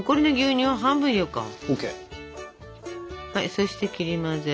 そして切り混ぜ。